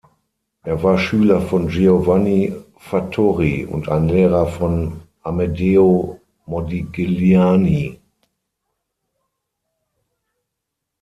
Er war Schüler von Giovanni Fattori und ein Lehrer von Amedeo Modigliani.